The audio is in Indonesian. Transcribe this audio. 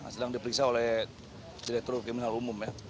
sedang diperiksa oleh direktur kriminal umum ya